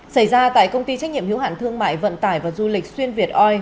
xảy ra tại công ty trách nhiệm hiếu hạn thương mại vận tải và du lịch xuyên việt oi